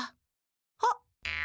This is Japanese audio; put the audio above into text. あっ！